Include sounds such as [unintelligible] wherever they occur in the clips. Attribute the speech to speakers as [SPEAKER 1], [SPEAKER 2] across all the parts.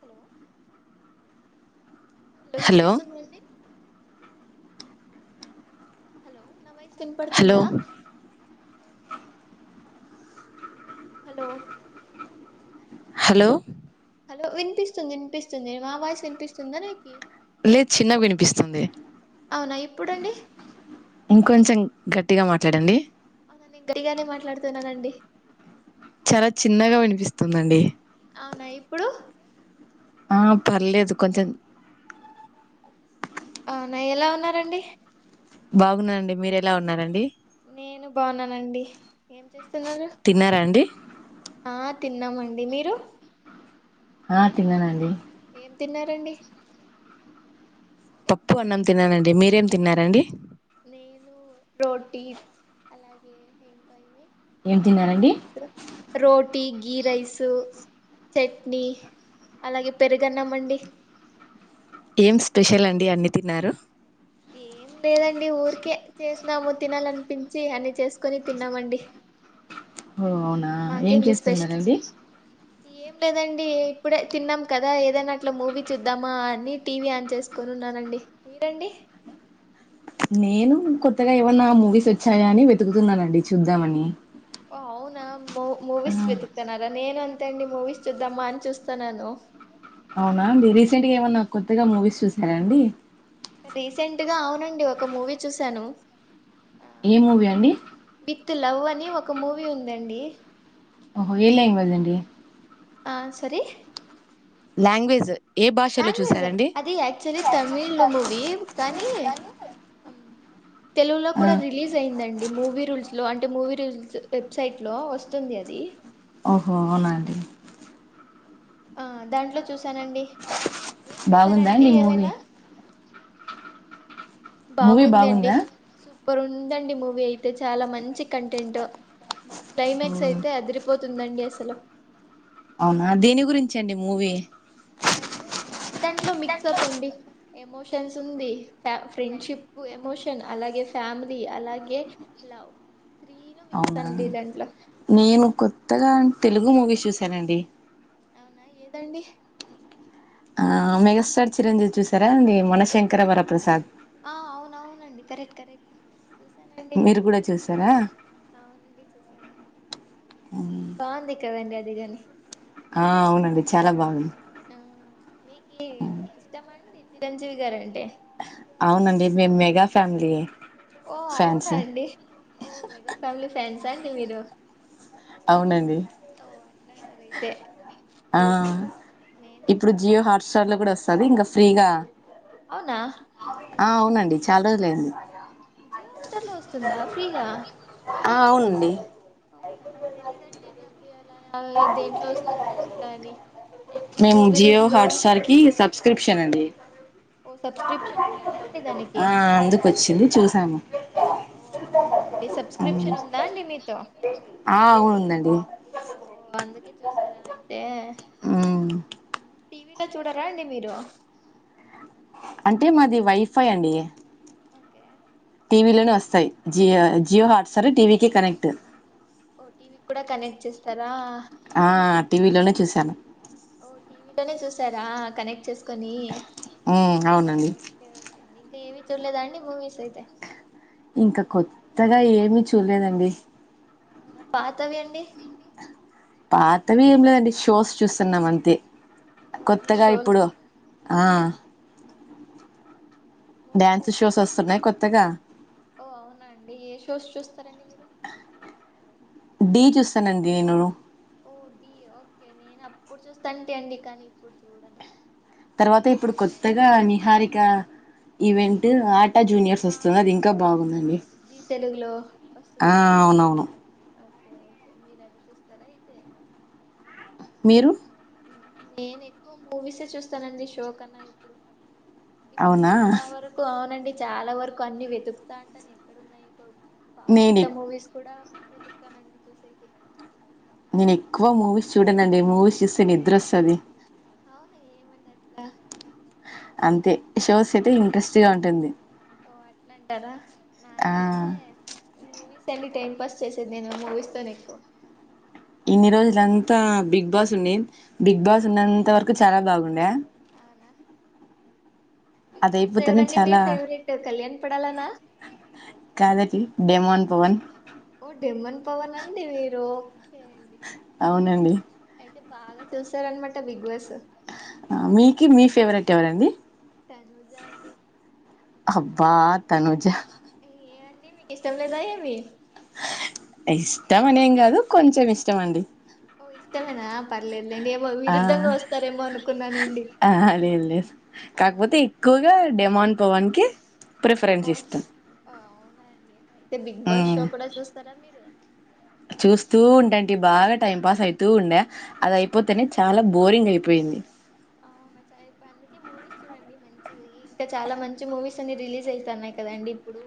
[SPEAKER 1] Hello hello వినిపిస్తుందండి hello నా voice
[SPEAKER 2] hello
[SPEAKER 1] వినపడుతుందా హలో
[SPEAKER 2] హలో
[SPEAKER 1] హలో వినిపిస్తుంది వినిపిస్తుంది నా వాయిస్ వినిపిస్తుందా నీకి
[SPEAKER 2] లేదు చిన్నగా వినిపిస్తుంది
[SPEAKER 1] అవునా ఇప్పుడండి
[SPEAKER 2] ఇంకొంచెం గట్టిగా మాట్లాడండి
[SPEAKER 1] అవునా నేను గట్టిగా మాట్లాడుతున్నానండి
[SPEAKER 2] చాలా చిన్నగా వినిపిస్తుందండి
[SPEAKER 1] అవునా ఇప్పుడు
[SPEAKER 2] ఆ పర్లేదు కొంచెం
[SPEAKER 1] అవునా ఎలా ఉన్నారండి
[SPEAKER 2] బాగున్నానండి మీర ఎలా ఉన్నారండి
[SPEAKER 1] నేను బాగున్నానండి ఏం చేస్తున్నారు
[SPEAKER 2] తిన్నారా అండి
[SPEAKER 1] ఆ తిన్నామండి మీరు
[SPEAKER 2] హా తిన్నానండి
[SPEAKER 1] ఎమ్ తిన్నారండి
[SPEAKER 2] పప్పు అన్నం తిన్నానండి మీరేం తిన్నారండి.
[SPEAKER 1] నేను రోటీ అలాగే ఇంకా ఏమి ఆ
[SPEAKER 2] ఏం
[SPEAKER 1] గీ
[SPEAKER 2] తిన్నారండి
[SPEAKER 1] రైస్ రోటీ గీ రైసు చెట్నీ అలాగే పెరుగన్నం అండి
[SPEAKER 2] ఎమ్ స్పెషల్ అండి అన్ని తిన్నారు
[SPEAKER 1] ఎమ్ లేదండి ఊరికే చేసినాము తినాలనిపించి అన్ని చేసుకొని తిన్నామండి.
[SPEAKER 2] ఓ అవునా ఏం చేస్తున్నారండి
[SPEAKER 1] ఎమ్ లేదండి ఇప్పుడే తిన్నాం కదా ఏదైనా అట్ల మూవీ చూద్దామా అని టీవీ ఆన్ చేసుకొన్ ఉన్నానండి మీరండి
[SPEAKER 2] నేను కొత్తగా ఏమన్నా మూవీస్ వచ్చాయా అని వెతుకుతున్నానండి చూద్దామని.
[SPEAKER 1] ఓ అవునా మూ
[SPEAKER 2] ఆ,
[SPEAKER 1] మూవీస్ వెతుకుతన్నారా నేను అంతే అండి మూవీస్ చూద్దామా అని చూస్తాన్నాను.
[SPEAKER 2] అవునా అండి రీసెంట్ గా ఏమన్నా కొత్తగా మూవీస్ చూసారాండి.
[SPEAKER 1] రీసెంట్ గా అవునండి ఒక మూవీ చూసాను.
[SPEAKER 2] ఏ మూవీ అండి
[SPEAKER 1] త్ లవ్ అని ఒక మూవీ ఉందండి
[SPEAKER 2] ఓహో ఏ లాంగ్వేజ్ అండి
[SPEAKER 1] ఆ సరీ
[SPEAKER 2] లాంగ్వేజ్ ఏ భాషలో
[SPEAKER 1] లాంగ్వేజ్
[SPEAKER 2] చూసారండి
[SPEAKER 1] అది యాక్చువలీ తమిళ్ మూవీ కానీ అమ్ తెలుగులో
[SPEAKER 2] ఆ
[SPEAKER 1] కూడా రిలీజ్ అయిందండి మూవీ రుల్స్ లో అంటే మూవీ రూల్స్ వెబ్సైట్ లో వస్తుంది అది.
[SPEAKER 2] ఓహో అవునా అండి
[SPEAKER 1] ఆ దాంట్లో చూసానండి మీరు
[SPEAKER 2] బాగుందా
[SPEAKER 1] చూసారాండి
[SPEAKER 2] అండి మూవీ
[SPEAKER 1] ఏవైనా.
[SPEAKER 2] మూవీ
[SPEAKER 1] బాగుంది అండి
[SPEAKER 2] బాగుందా
[SPEAKER 1] సూపర్ ఉందండి మూవీ అయితే చాలా మంచి కంటెంటు.
[SPEAKER 2] ఓ
[SPEAKER 1] క్లైమాక్స్ అయితే అదిరిపోతుందండి అసలు.
[SPEAKER 2] అవునా దేని గురించండి మూవీ
[SPEAKER 1] అంటే దాంట్లో మిక్స్ అప్ అండి ఎమోషన్స్ ఉంది ఫ ఫ్రెండ్షిప్పు ఎమోషన్ అలాగే ఫ్యామిలీ అలాగే లవ్ త్రీను మిక్స్
[SPEAKER 2] అవునా
[SPEAKER 1] అండి దాంట్లో.
[SPEAKER 2] నేను కొత్తగా తెలుగు మూవీస్ చూశానండి.
[SPEAKER 1] అవునా ఏదండి
[SPEAKER 2] ఆ మెగాస్టార్ చిరంజీవి చూసారా అండి మనశంకర వరప్రసాద్.
[SPEAKER 1] ఆ అవునవునండి కరెక్ట్ కరెక్ట్ చూసానండి
[SPEAKER 2] మీరు
[SPEAKER 1] నేను కూడా
[SPEAKER 2] చూసారా
[SPEAKER 1] చూసాను ఆ మూవీ చూసాను. బాంది కదండి అది గని
[SPEAKER 2] ఆ అవునండి చాలా బాగుంది
[SPEAKER 1] ఆ మీకి ఇష్టమా అండి చిరంజీవి గారంటే
[SPEAKER 2] అవునండి మేమ్ మెగా ఫ్యామిలీ
[SPEAKER 1] ఓ
[SPEAKER 2] ఫ్యాన్స్
[SPEAKER 1] అవునండి ఓ మెగా ఫ్యామిలీ ఫ్యాన్సా అండి మీరు.
[SPEAKER 2] అవునండి
[SPEAKER 1] ఓ అట్లంటారయితే
[SPEAKER 2] ఆ ఇప్పుడు జియో హాట్ స్టర్ లో కూడా వస్తాది ఇంగా ఫ్రీగా
[SPEAKER 1] అవునా
[SPEAKER 2] ఆ అవునండి చాలా రోజులైంది
[SPEAKER 1] జియో హాట్ స్టార్ లో వస్తుందా ఫ్రీగా
[SPEAKER 2] ఆ అవునండి
[SPEAKER 1] అవునా నాకు తెలిదండి నాకి అలా దీంట్లో వస్తాయో ఫ్రీగా అని. ఎప్పుడు
[SPEAKER 2] మేము
[SPEAKER 1] మూవీ
[SPEAKER 2] జియో
[SPEAKER 1] రూల్స్ లో
[SPEAKER 2] హాట్స్టార్ కి సబ్స్క్రిప్షన్ అండి.
[SPEAKER 1] ఓ సబ్స్క్రిప్షన్ ఉండాలా అండి దానికి
[SPEAKER 2] ఆ అందుకు వచ్చింది చూసాము
[SPEAKER 1] ఓ అవునండి సబ్స్క్రిప్షన్ ఉందా అండి మీతో
[SPEAKER 2] ఆ ఉందండి
[SPEAKER 1] ఓ అందుకే చూసారా అయితే
[SPEAKER 2] హ్మ్
[SPEAKER 1] టీవీలో చూడరా అండి మీరు
[SPEAKER 2] అంటే మాది వైఫై అండి
[SPEAKER 1] ఓకే
[SPEAKER 2] టీవీలో వస్తాయి Jio Jio Hotstar TV కి కనెక్ట్
[SPEAKER 1] ఓ టీవీకి కూడా కనెక్ట్ చేస్తారా
[SPEAKER 2] ఆ టీవీలోనే చూసాను
[SPEAKER 1] ఓ టీవీ లోనే చూస్ చూస్తారా కనెక్ట్ చేసుకొనీ
[SPEAKER 2] ఉమ్ అవునండి
[SPEAKER 1] ఏవీ చూడలేదా అండి మూవీస్ ఐతే
[SPEAKER 2] ఇంకా కొత్తగా ఏమీ చూడలేదండి
[SPEAKER 1] పాతవి అండి
[SPEAKER 2] పాతవి ఏం లేదండి షోస్ చూస్తున్నాం అంతే
[SPEAKER 1] ఓ అన్ని
[SPEAKER 2] కొత్తగా
[SPEAKER 1] షోలు
[SPEAKER 2] ఇప్పుడు
[SPEAKER 1] చూ
[SPEAKER 2] ఆ
[SPEAKER 1] మూవీస్
[SPEAKER 2] డ్యాన్స్
[SPEAKER 1] ఏం
[SPEAKER 2] షోస్
[SPEAKER 1] చూడలేదు
[SPEAKER 2] వస్తున్నాయి కొత్తగా
[SPEAKER 1] ఓ అవునా అండి ఏ షోస్ చూస్తారండి మీరు
[SPEAKER 2] ఢీ చూస్తానండి నేను
[SPEAKER 1] ఓ ఢీ ఓకే నేను అప్పుడు చూస్తా అంటే అండి కానీ ఇప్పుడు చూడను
[SPEAKER 2] తర్వాత ఇప్పుడు కొత్తగా నిహారిక ఈవెంట్ ఆ
[SPEAKER 1] ఆట ఓకే జీ తెలుగులో వస్తుంది
[SPEAKER 2] ఆ
[SPEAKER 1] కదాఅండి
[SPEAKER 2] అవునవును
[SPEAKER 1] ఓకె ఓకే మీరది చూస్తారా అయితే
[SPEAKER 2] మీరు
[SPEAKER 1] నేను ఎక్కువ మూవీసే చూస్తానండి షో కన్నా ఎక్కువ ఇప్పుడు
[SPEAKER 2] అవునా
[SPEAKER 1] చాలా వరకు అవునండి చాలా వరకు అన్ని వెతుకుతాంటాను ఎక్కడ ఉన్నాయి ఏమో
[SPEAKER 2] నేను
[SPEAKER 1] పాత
[SPEAKER 2] ఎక్-
[SPEAKER 1] మూవీస్ కూడా వెతుకుతానండి చూసేకి
[SPEAKER 2] నేను ఎక్కువ మూవీస్ చూడనండి మూవీస్ చూస్తే నిద్ర వస్సాది
[SPEAKER 1] అవునా ఏమండి అట్లా
[SPEAKER 2] అంతే షోస్ అయితే
[SPEAKER 1] అబ్బా
[SPEAKER 2] ఇంట్రెస్ట్ గా ఉంటుంది
[SPEAKER 1] ఓ అట్ల అంటారా
[SPEAKER 2] ఆ,
[SPEAKER 1] నాకైతే ప్చ్ మూవీస్ అన్ని టైం పాస్ చేసేది నేను మూవీస్ తోనే ఎక్కువ
[SPEAKER 2] ఇన్ని రోజులంతా బిగ్ బాస్ ఉండి బిగ్ బాస్ ఉన్నంత వరకు చాలా బాగుండే
[SPEAKER 1] అవునా బిగ్
[SPEAKER 2] అది
[SPEAKER 1] బాస్ లో
[SPEAKER 2] అయిపోతేనే
[SPEAKER 1] ఎవరండి మీ
[SPEAKER 2] చాలా
[SPEAKER 1] ఫేవరెట్ కళ్యాణ్ పడాల నా
[SPEAKER 2] కాదటి డెమోన్ పవన్
[SPEAKER 1] ఓ డెమోన్ పవన్ అండి మీరు అండి
[SPEAKER 2] అవునండి
[SPEAKER 1] అయితే బాగా చూసారనమాట బిగ్ వాస్
[SPEAKER 2] ఆ మీకి మీ ఫేవరెట్ ఎవరండి
[SPEAKER 1] తనూజా అండి
[SPEAKER 2] బా తనూజ
[SPEAKER 1] ఏ అండి మీకిష్టం లేదా ఏమి
[SPEAKER 2] ఇష్టం అనేం కాదు కొంచెం ఇష్టం అండి
[SPEAKER 1] ఓ ఇష్టమేనా పర్లేద్ లేండి ఏమో
[SPEAKER 2] ఆ
[SPEAKER 1] విరుద్ధంగా వస్తారేమో అనుకున్నానండి
[SPEAKER 2] ఆ లేదు లేదు
[SPEAKER 1] ఆ
[SPEAKER 2] కాకపోతే [unintelligible] డెమాన్ పవన్ కి ప్రిఫరెన్స్ ఇస్తం
[SPEAKER 1] హాయ్ అండి అయితే బిగ్ బాస్ షో కూడా చూస్తారా మీరు
[SPEAKER 2] చూస్తూ ఉంటాంటి బాగా టైం పాస్ అయితూ ఉండే అది అయిపోతేనే చాలా బోరింగ్ అయిపోయింది
[SPEAKER 1] మంచి ఐ ఫ్యాన్ అందుకే మూవీస్ చూడండి మంచిది ఇంకా చాలా మంచి మూవీస్ అన్ని రిలీజ్ అయితన్నాయి కదండి ఇప్పుడు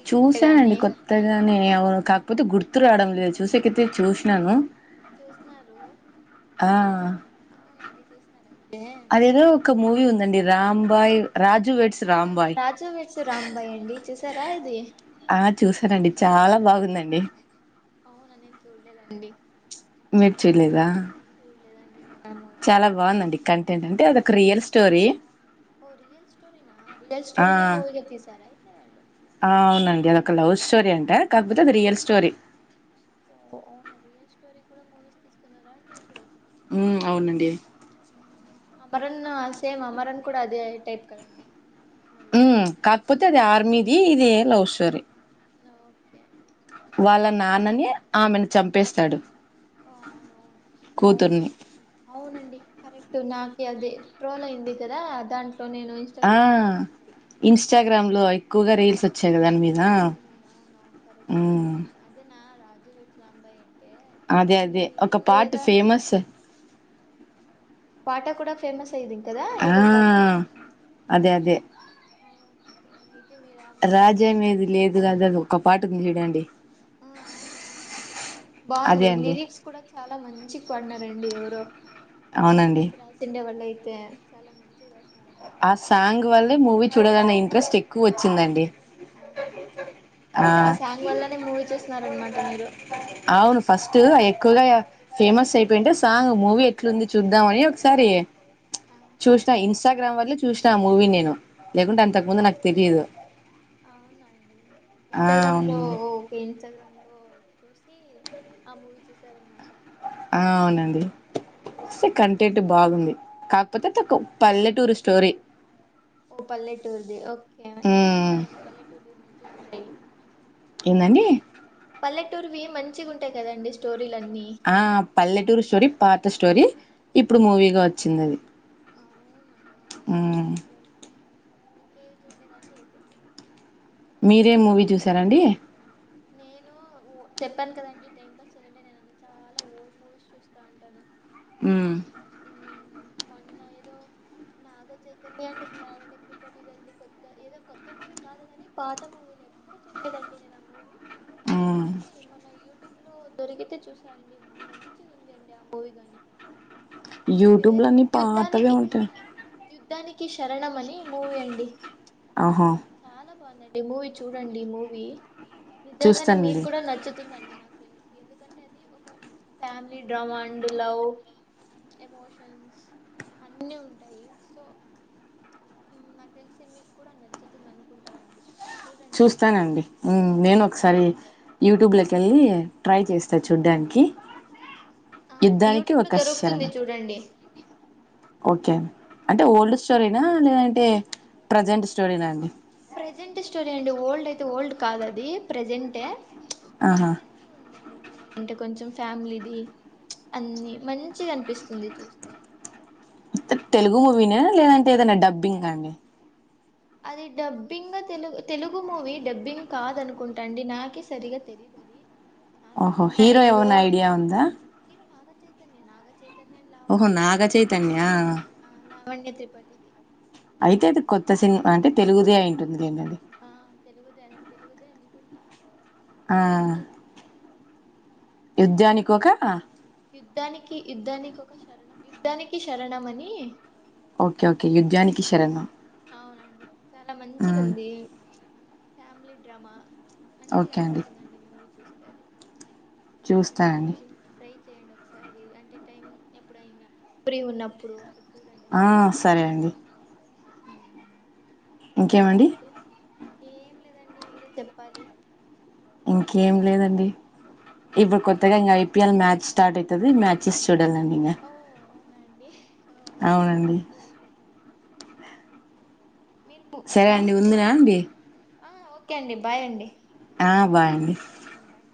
[SPEAKER 1] రీసెంట్
[SPEAKER 2] చూసానండి
[SPEAKER 1] గానే
[SPEAKER 2] కొత్తగా నేను ఎవ కా పోతే గుర్తు రాడం లేదు చూసేకేతే చూస్నాను
[SPEAKER 1] చూస్తున్నారు అవునండి చూస్తున్నారు అయితే
[SPEAKER 2] అదేదో ఒక మూవీ ఉందండి రాంబాయ్ రాజు వెడ్స్
[SPEAKER 1] ఆ
[SPEAKER 2] రాంబాయ్
[SPEAKER 1] రాజు వెడ్స్ రాంబాయ్ అండి చూసారా ఇది
[SPEAKER 2] ఆ చూసానండి చాలా బాగుందండి
[SPEAKER 1] అవునండి చూడలేదండి
[SPEAKER 2] మీర్చేలేదా
[SPEAKER 1] ఊ లేదండి నేనూ
[SPEAKER 2] చాలా బావుందండి కంటెంట్ అంటే అదొక రియల్ స్టోరీ
[SPEAKER 1] ఓ రియల్ స్టోరీనా రియల్
[SPEAKER 2] ఆ
[SPEAKER 1] స్టోరీనే మూవీగా తీసారా అయితే వాళ్ళు
[SPEAKER 2] ఆ అవునండి అదొక లవ్ స్టోరీ అంట కాకపోతే అది రియల్ స్టోరీ
[SPEAKER 1] అవును రియల్ స్టోరీ కూడా మూవీస్ తీస్తున్నారా అండి ఇప్పుడు
[SPEAKER 2] ఉ అవునండి
[SPEAKER 1] అమరన్ను సేమ్ అమరన్ కూడా అదే టైప్ కదండి మూవీ
[SPEAKER 2] ఉ కాక్పోతే అది ఆర్మీది ఇది లవ్ స్టోరీ
[SPEAKER 1] ఆ ఓకే
[SPEAKER 2] వాళ్ళ నాన్ననే ఆమెను చంపేస్తాడు
[SPEAKER 1] అవునవును
[SPEAKER 2] కూతుర్ని
[SPEAKER 1] అవునవును అవునండి కరె నాకి అది ట్రోల్ అయింది కదా దాం
[SPEAKER 2] ఆ ఇన్స్టాగ్రామ్ లో ఎక్కువగా రీల్స్ వచ్చి
[SPEAKER 1] అవునండి అవును అవును కరెక్ట్ అండి పి
[SPEAKER 2] ఉమ్
[SPEAKER 1] అదే నా రాజు వెడ్స్ రాంబాయ్ అండీ
[SPEAKER 2] అదే అదే ఒక పాట్ ఫేమస్
[SPEAKER 1] పాట కూడా ఫేమస్ అయ్యింది కదా
[SPEAKER 2] ఆ
[SPEAKER 1] ఏదో పాట
[SPEAKER 2] అదె అదే
[SPEAKER 1] అవునా ఓకే అయితే మీరు ఆ మూవీ
[SPEAKER 2] రాజ్య
[SPEAKER 1] చూసారనమాట
[SPEAKER 2] మేది లేదు గాని అనేది ఒక్క పాటుంది జూడండి
[SPEAKER 1] ఆ అవునవును
[SPEAKER 2] అదే
[SPEAKER 1] బాంది
[SPEAKER 2] అండి
[SPEAKER 1] లిరిక్స్ కూడా చాలా మంచి పన్నారండి ఎవరో అది
[SPEAKER 2] అవునండి
[SPEAKER 1] రాసిండే వాళ్ళ అయితే చాలా మంచిది
[SPEAKER 2] ఆ సాంగు వల్లే మూవీ చూడాలని ఇంట్రెస్ట్ ఎక్కువొచ్చిందండి
[SPEAKER 1] అవునా ఆ సాంగ్ వల్లనే మూవీ చూస్తున్నారనమాట మీరు
[SPEAKER 2] అవును ఫస్ట్ ఎక్కువగా ఫేమస్ అయిపోయింటే సాంగ్ మూవీ ఎట్లుంది చూద్దాం అని ఒకసారి ఏంది
[SPEAKER 1] ఆ
[SPEAKER 2] చూసినా ఇన్స్టాగ్రామ్ వల్లే చూసినా ఆ మూవీ నేను లేకుంటే అంతకు ముందు నాకు తెలియదు
[SPEAKER 1] అవునండి
[SPEAKER 2] ఆ
[SPEAKER 1] ఇన్స్టాగ్రామ్ లో
[SPEAKER 2] అవును
[SPEAKER 1] ఓకే ఇన్స్టాగ్రామ్ లో చూసి ఆ మూవీ చూసాననమాట
[SPEAKER 2] ఆ అవునండి సె కంటెంట్ బాగుంది కాకపోతే తక్కవ్ పల్లె టూరుస్ స్టోరి
[SPEAKER 1] ఓ పల్లెటూర్ది ఓకే నైస్
[SPEAKER 2] ఉమ్
[SPEAKER 1] కదండి పల్లెటూరిది మంచి ఉంటాయి
[SPEAKER 2] ఏందండి
[SPEAKER 1] పల్లెటూర్వి మంచిగుంటాయ్ కదండి స్టోర్
[SPEAKER 2] ఆ పల్లెటూరు స్టోరీ పాత స్టోరీ ఇప్పుడు మూవీగా వచ్చింది అది
[SPEAKER 1] అవునా
[SPEAKER 2] ఊ
[SPEAKER 1] ఇక ఏవి చూడేదండడి ఇదు [inaudible]
[SPEAKER 2] మీరేమ్ మూవీ జూసారండి
[SPEAKER 1] నేను ఓ చెప్పాను కదండి టైం పాస్ చేయాలంటే నేను అ చాలా ఓల్డ్ మూవీస్ చూస్తా ఉంటాను
[SPEAKER 2] ఉ
[SPEAKER 1] మన్న ఏదో నాగ చైతన్య అండ్ లావన్య త్రిపాటి దండి కొత్త ఏదో కొత్త మూవీ కాదు కాని పాత మూవీ నే ఎప్పుడు చూడలేదండి నేను ఆ మూవీ
[SPEAKER 2] మ్
[SPEAKER 1] కానీ మన యూ యూట్యూబ్ లో దొరికితే చూసాండి మంచి ఉంది అండి ఆ మూవీ గాని
[SPEAKER 2] యూట్యూబ్
[SPEAKER 1] పేరు గు
[SPEAKER 2] లన్ని పాతవే
[SPEAKER 1] యుద్ధానికి ఆ
[SPEAKER 2] ఉంటాయి
[SPEAKER 1] యుద్ధానికి శరణం అని మూవీ అండి
[SPEAKER 2] ఆహా
[SPEAKER 1] బా చాలా బావుందండీ మూవీ చూడండి మూవీ నిజంగానే మీకు
[SPEAKER 2] చూస్తానండి
[SPEAKER 1] కూడా నచ్చుతుందండి నాకు తెలుసు ఎందుకంటే అది ఒక family drama and love emotions అన్నీ ఉంటాయి సో హు నాకు తెలిసి మీకు కూడా నచ్చుతుంది అనుకుంటానండి చూడండి ఆ మూవీని
[SPEAKER 2] చూస్తానండి ఉమ్. నేను ఒకసారి యూట్యూబ్ లోకి వెళ్ళి ట్రై చేస్తా చూడ్డానికి
[SPEAKER 1] ఆ అండి
[SPEAKER 2] యుద్ధానికి
[SPEAKER 1] యూట్యూబ్ లో
[SPEAKER 2] ఒక
[SPEAKER 1] దొరుకుతుంది
[SPEAKER 2] శరణం
[SPEAKER 1] చూడండి
[SPEAKER 2] ఓకే అండి అంటే ఓల్డ్ స్టోరీనా లేదంటే ప్రజెంట్ స్టోరీనా అండి
[SPEAKER 1] ప్రజెంట్ స్టోరీ అండి ఓల్డ్ అయితే ఓల్డ్ కాదు అది ప్రెజెంటెడీసెంట్
[SPEAKER 2] ఆహా
[SPEAKER 1] డీసెంట్ గా ఉందండి మూవీ అంటే కొంచెం ఫ్యామిలీది అన్నిమంచిగనిపిస్తుంది చూస్తే
[SPEAKER 2] తెలుగు మూవీన లేదంటే ఏదైనా డబ్బింగ్ అండి
[SPEAKER 1] అది డబ్బింగ్ తె తెలుగు మూవీ డబ్బింగ్ కాదు అనుకుంటాండి నాకే సరిగ తలియదు అది నాకి
[SPEAKER 2] ఓహో
[SPEAKER 1] మొన్న
[SPEAKER 2] హీరో
[SPEAKER 1] ఏదో
[SPEAKER 2] ఎమన్నఐడియా ఉందా
[SPEAKER 1] హీరో నాగ చైతన్య నాగచైతన్యం లావణ
[SPEAKER 2] ఓహో నాగ
[SPEAKER 1] లావణ్య
[SPEAKER 2] చైతన్య
[SPEAKER 1] ఆ లావణ్య త్రిపాటిది
[SPEAKER 2] అయితే అది కొత్త సినిమా అంటే తెలుగుదే అయింటుంది లేండి అది
[SPEAKER 1] ఆ తెలుగుదే అదెతెలుగుదే అనుకుంటా
[SPEAKER 2] ఆ
[SPEAKER 1] అయితే
[SPEAKER 2] యుద్ధానికి
[SPEAKER 1] మంచిగుంది
[SPEAKER 2] ఒక
[SPEAKER 1] యుద్ధానికి యుద్ధానికి ఒక శరణం యుద్ధానికి శరణం అని
[SPEAKER 2] ఓకే ఓకే యుద్ధనికి శరణం
[SPEAKER 1] అవునండి చాలా మంచిగా
[SPEAKER 2] ఉమ్
[SPEAKER 1] ఉంది ఫ్యామిలీ డ్రామా మంచిగా
[SPEAKER 2] ఓకే అండి
[SPEAKER 1] అనిపిస్తుందిండి మూవీ చూస్తే అది చూడండి
[SPEAKER 2] చూస్తానండి
[SPEAKER 1] మీరు ట్రై చేయండి ఒకసారి అంటే టైం ఎప్పుడైనా ఫ్రీగా ఉన్నప్పుడు చూడండి ఆ మూవీ చాలా
[SPEAKER 2] సరే
[SPEAKER 1] [inaudible]
[SPEAKER 2] అండి
[SPEAKER 1] ఎంటండి
[SPEAKER 2] ఇంకేమండి
[SPEAKER 1] అయితే ఏం లేదండి మీరే చెప్పాలి
[SPEAKER 2] ఇంకేం లేదండి ఇప్పుడు
[SPEAKER 1] మ్మ్
[SPEAKER 2] కొత్తగా ఇంగ ఐపిఎల్ మ్యాచ్ స్టార్ట్ అయితది మ్యాచెస్ చూడాలి అండి ఇంగ
[SPEAKER 1] మి ఆ మీరు చూస్తారండి అయితే మీరు
[SPEAKER 2] సరే
[SPEAKER 1] మ్యాచ్
[SPEAKER 2] అండి ఉందునా అండి
[SPEAKER 1] చూస్తారండి ఆ ఓకే అండి బాయ్ అండి
[SPEAKER 2] ఆ బాయ్ అండి
[SPEAKER 1] ఉమ్, బాయ్